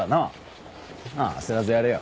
まあ焦らずやれよ。